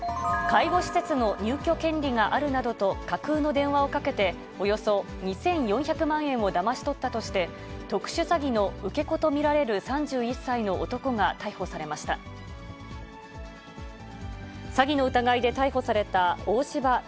介護施設の入居権利があるなどと架空の電話をかけて、およそ２４００万円をだまし取ったとして、特殊詐欺の受け子と見られる３１歳の男が逮捕されました。